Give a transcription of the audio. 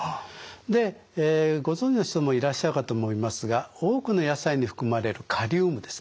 でご存じの人もいらっしゃるかと思いますが多くの野菜に含まれるカリウムですね。